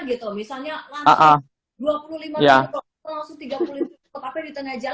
tetap di tengah jalan udah ngap banget jadi kita